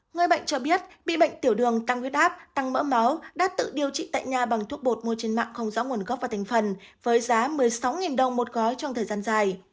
người bệnh cho biết bị bệnh tiểu đường tăng huyết áp tăng mỡ máu đã tự điều trị tại nhà bằng thuốc bột mua trên mạng không rõ nguồn gốc và thành phần với giá một mươi sáu đồng một gói trong thời gian dài